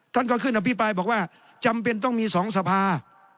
ท่านก็ขึ้นแล้วพี่ปลายบอกว่าจำเป็นต้องมีสองสภา